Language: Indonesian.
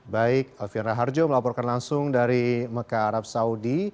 baik alfian raharjo melaporkan langsung dari mekah arab saudi